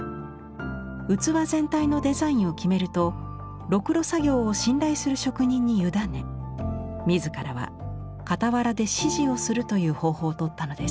器全体のデザインを決めるとろくろ作業を信頼する職人に委ね自らは傍らで指示をするという方法をとったのです。